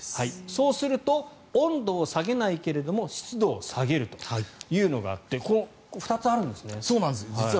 そうすると、温度を下げないけど湿度を下げるというのがあって実は２つあるんですね。